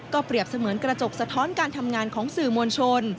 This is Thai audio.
เปรียบเสมือนกระจกสะท้อนการทำงานของสื่อมวลชน